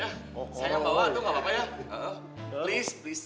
kayaknya hedon wis milligrams